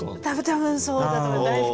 多分そうだと思います。